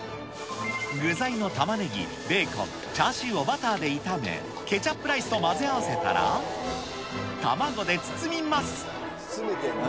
具材のたまねぎ、ベーコン、チャーシューをバターで炒め、ケチャップライスと混ぜ合わせたら、卵で包みます。